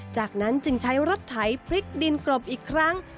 จากนั้นจึงใช้รถไถพลิกดินกรบอีกครั้ง